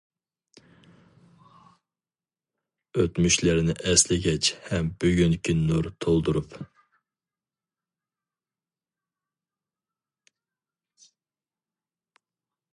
ئۆتمۈشلەرنى ئەسلىگەچ ھەم بۈگۈنگە نۇر تولدۇرۇپ.